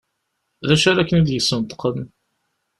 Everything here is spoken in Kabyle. D acu ara ken-id-yesneṭqen?